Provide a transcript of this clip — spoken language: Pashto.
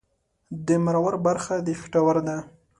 د مرور برخه د خېټور ده